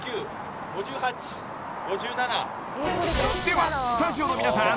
ではスタジオの皆さん